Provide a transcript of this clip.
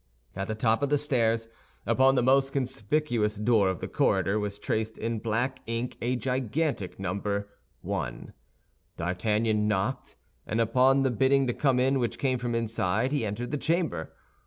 At the top of the stairs, upon the most conspicuous door of the corridor, was traced in black ink a gigantic number "1." D'Artagnan knocked, and upon the bidding to come in which came from inside, he entered the chamber.